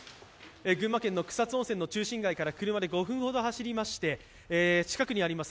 群馬県の草津温泉の中心街から車で５分ほど走りまして近くにあります